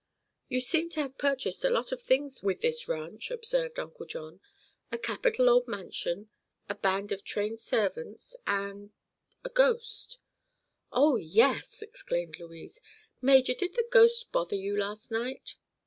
"You seem to have purchased a lot of things with this ranch," observed Uncle John. "A capital old mansion, a band of trained servants, and—a ghost." "Oh, yes!" exclaimed Louise. "Major, did the ghost bother you last night?"